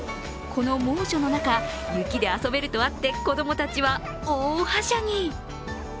この猛暑の中、雪で遊べるとあって子供たちは大はしゃぎ。